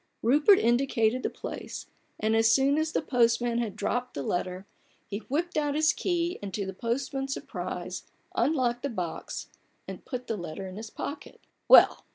*' Rupert indicated the place, and, as soon as the postman had dropped the letter, he whipped out his key, and to the postman's surprise unlocked the box and put the letter in his pocket. "Well!